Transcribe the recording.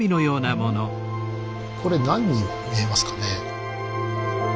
これ何に見えますかね？